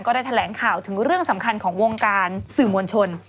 ได้แถลงข่าวถึงเรื่องสำคัญของวงการสื่อมวลชน